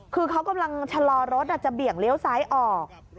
คือเขากำลังชะลอรถจะเบี่ยงเลี้ยวซ้ายออก